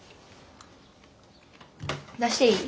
出していい？